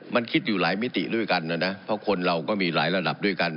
มันคิดอยู่หลายมิติด้วยกันนะนะเพราะคนเราก็มีหลายระดับด้วยกัน